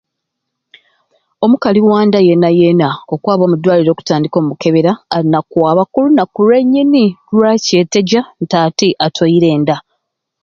Omukali Wanda yeena yeena okwaba omu ddwaliro okutandika okumukebera alina kwaba ku lunaku lwennyini lwa kyeteja nti ati atoire enda.